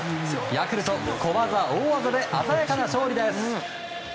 ヤクルト、小技大技で鮮やかな勝利です。